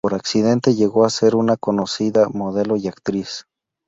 Por accidente llegó a ser una conocida modelo y actriz.